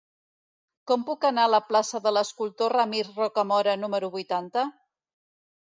Com puc anar a la plaça de l'Escultor Ramir Rocamora número vuitanta?